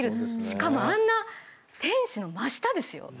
しかもあんな天守の真下ですよ。